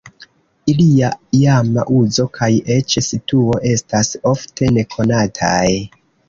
Iliaj iama uzo kaj eĉ situo estas ofte nekonataj.